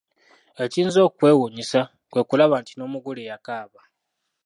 Ekiyinza okukwewuunyisa, kwe kulaba nti n'omugole yakaaba.